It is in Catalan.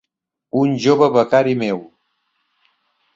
Un jove becari meu.